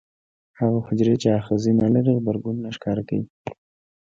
هغه حجرې چې آخذې نه لري غبرګون نه ښکاره کوي.